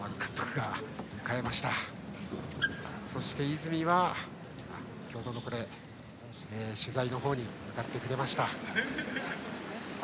泉は共同の取材の方に向かってくれました。